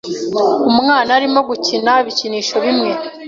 Umwana arimo gukina ibikinisho bimwe.